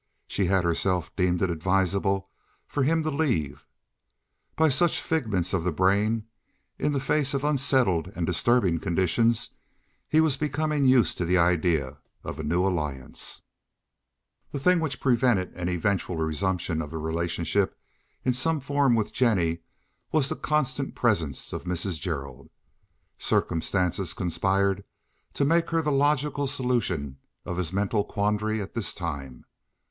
She had herself deemed it advisable for him to leave. By such figments of the brain, in the face of unsettled and disturbing conditions, he was becoming used to the idea of a new alliance. The thing which prevented an eventual resumption of relationship in some form with Jennie was the constant presence of Mrs. Gerald. Circumstances conspired to make her the logical solution of his mental quandary at this time.